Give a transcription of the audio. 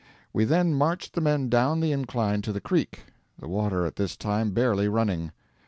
We then marched the men down the incline to the creek; the water at this time barely running.